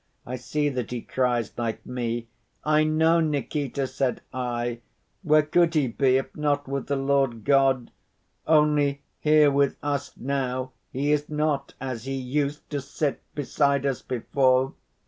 I see that he cries like me. 'I know, Nikita,' said I. 'Where could he be if not with the Lord God? Only, here with us now he is not as he used to sit beside us before.